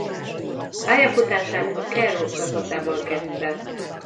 Pályafutását a Cerro csapatában kezdte.